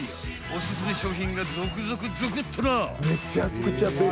オススメ商品が続々ゾクっとな！